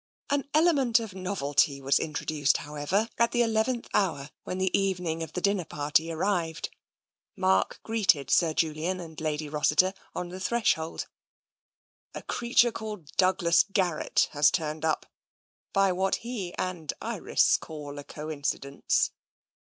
An element of novelty was introduced, however, at the eleventh hour, when the evening of the dinner party arrived. Mark greeted Sir Julian and Lady Rossiter on the threshold. " A creature called Douglas Garrett has turned up, by what he and Iris call a coincidence.